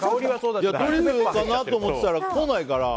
トリュフかなと思ってたら来ないから。